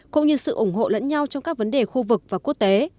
cũng như sự ủng hộ lẫn nhau trong các vấn đề khu vực và quốc tế